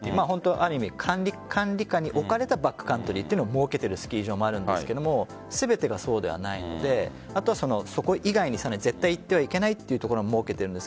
ある意味、管理下に置かれたバックカントリーというのを設けているスキー場もあるんですが全てがそうではないのであとは、そこ以外に絶対行ってはいけないというところも出ているんです。